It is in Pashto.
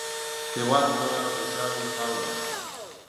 هېواد د هوښیارو خاوره ده